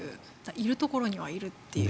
いるところにはいるという。